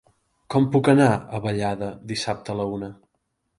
Com puc anar a Vallada dissabte a la una?